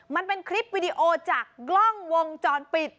มันเป็นคลิปวิดีโอจากกล้องวงจรปิด